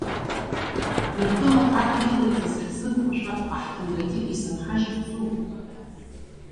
Гыртәыла аҳ иҟаиҵаз ҳзымхошәа аҳҭынрагьы изынҳажьырцу?